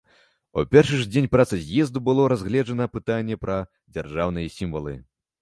У першы ж дзень працы з'езду было разгледжана пытанне пра дзяржаўныя сімвалы.